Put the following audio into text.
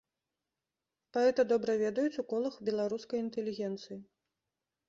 Паэта добра ведаюць у колах беларускай інтэлігенцыі.